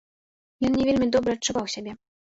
Ён не вельмі добра адчуваў сябе.